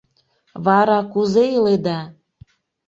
Вара, кузе иледа?